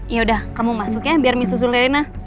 ya udah kamu masuk ya biar miss usul reina